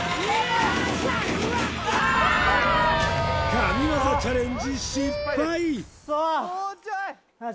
神業チャレンジ失敗クッソ！